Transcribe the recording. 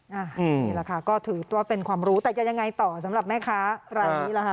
นี่แหละค่ะก็ถือว่าเป็นความรู้แต่จะยังไงต่อสำหรับแม่ค้ารายนี้ล่ะค่ะ